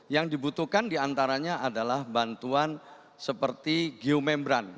yang dibutuhkan diantaranya adalah bantuan seperti geomembran